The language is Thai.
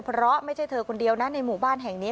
เพราะไม่ใช่เธอคนเดียวนะในหมู่บ้านแห่งนี้